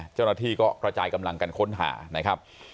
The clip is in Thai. เจ้าหน้าที่ก็กระจายกำลังกันค้นหานะครับ